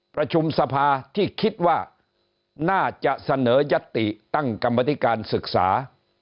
ประชุมสภาที่คิดว่าน่าจะเสนอยัตติตั้งกรรมธิการศึกษา